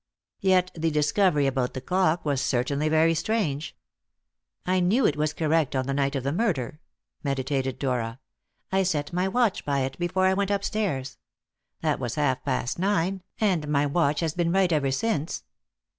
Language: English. Yet the discovery about the clock was certainly very strange. I knew it was correct on the night of the murder," meditated Dora. "I set my watch by it before I went upstairs. That was at half past nine, and my watch has been right ever since.